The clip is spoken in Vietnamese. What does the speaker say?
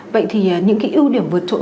vậy thì những ưu điểm vượt trội